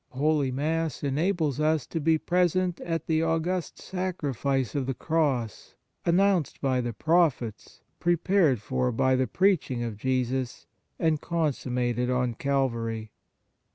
Holy Mass enables us to be present at the august Sacrifice of the Cross, announced by the Prophets, pre pared for by the preaching of Jesus, and consummated on Calvary.